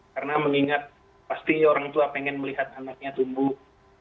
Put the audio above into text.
karena mengingat pasti orang tua pengen melihat anaknya tumbuh